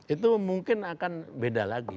itu mungkin akan beda lagi